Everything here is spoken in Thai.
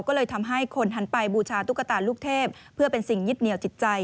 ก็เลยทำให้คนหันไปบูชาตุ๊กตาลูกเทพเพื่อเป็นสิ่งยึดเหนียวจิตใจ